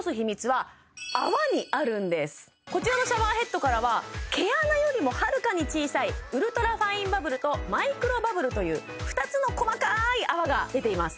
これだけこちらのシャワーヘッドからは毛穴よりもはるかに小さいウルトラファインバブルとマイクロバブルという２つの細かい泡が出ています